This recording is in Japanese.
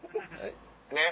ねっ。